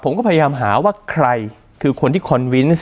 ผมก็พยายามหาว่าใครคือคนที่คอนวินส์